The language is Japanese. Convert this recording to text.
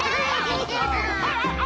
ハハハハハ！